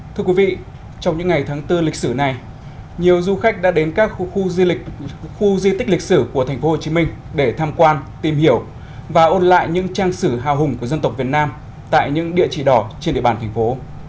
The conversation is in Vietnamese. thưa quý vị trong những ngày tháng bốn lịch sử này nhiều du khách đã đến các khu di tích lịch sử của thành phố hồ chí minh để tham quan tìm hiểu và ôn lại những trang sử hào hùng của dân tộc việt nam tại những địa chỉ đỏ trên địa bàn thành phố